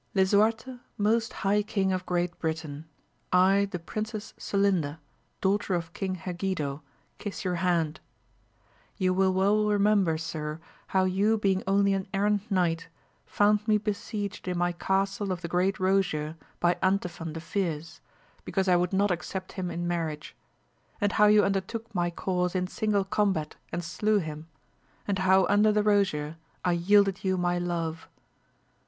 Lisuarte, most high King of Great Britain, I the Princess Celinda, daughter of King Hegido, kiss your hand. You wUl well remember sir how you being only an errant knight found me besieged in my castle of the Great Rosier by Antifon the fierce, because I would not accept him in marriage ; and how you undertook my cause in single combat and slew him ; and how under the rosier I yielded you my love.